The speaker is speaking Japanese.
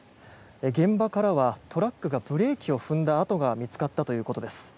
現場からはトラックがブレーキを踏んだ跡が見つかったということです。